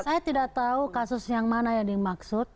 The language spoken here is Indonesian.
saya tidak tahu kasus yang mana yang dimaksud